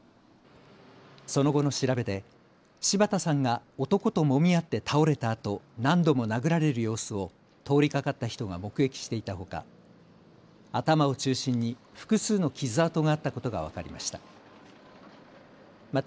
その後の調べで柴田さんが男ともみ合って倒れたあと何度も殴られる様子を通りかかった人が目撃していたほか頭を中心に複数の傷痕があったことが分かりました。